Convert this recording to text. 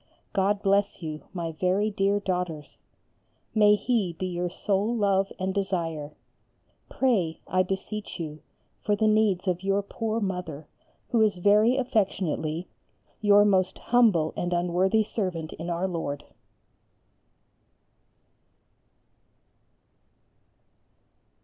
God bless you, my very dear daughters. May He be your sole love and desire. Pray, I beseech you, for the needs of your poor Mother, who is very affectionately Your most humble and unworthy servant in our Lord.